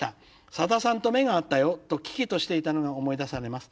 『さださんと目が合ったよ』と喜々としていたのが思い出されます。